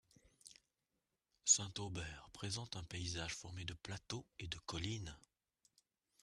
Saint-Aubert présente un paysage formé de plateaux et de collines.